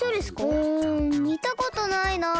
うんみたことないなあ。